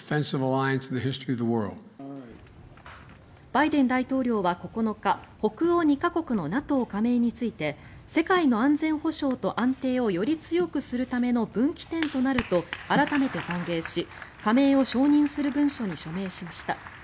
バイデン大統領は９日北欧２か国のＮＡＴＯ加盟について世界の安全保障と安定をより強くするための分岐点となると改めて歓迎し加盟を承認する文書に署名しました。